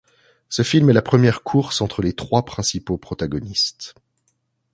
Ce film est la première course entre les trois principaux protagonistes.